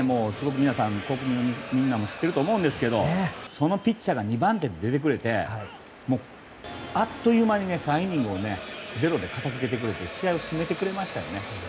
皆さん知ってると思うんですけどそのピッチャーが２番手で出てくれてあっという間に３イニングをゼロで片づけてくれて試合を締めてくれましたよね。